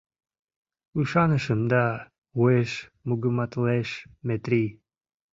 — Ӱшанышым да... — уэш мугыматылеш Метрий.